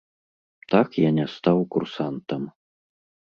Так я не стаў курсантам.